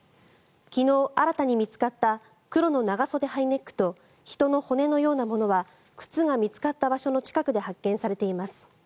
昨日、新たに見つかった黒の長袖ハイネックと人の骨のようなものは靴が見つかった場所の近くで発見されています。